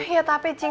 ya tapi cik